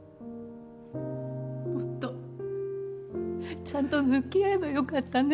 もっとちゃんと向き合えばよかったね。